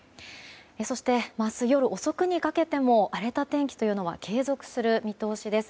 そして明日夜遅くにかけても荒れた天気は継続する見通しです。